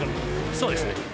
そうですね。